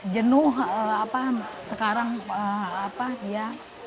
jenuh apa sekarang apa dia